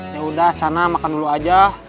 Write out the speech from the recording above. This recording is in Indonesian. yaudah sana makan dulu aja